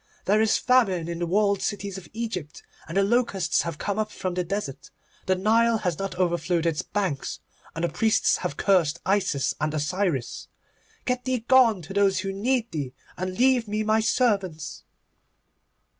There is famine in the walled cities of Egypt, and the locusts have come up from the desert. The Nile has not overflowed its banks, and the priests have cursed Isis and Osiris. Get thee gone to those who need thee, and leave me my servants.